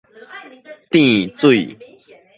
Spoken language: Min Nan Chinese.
殿水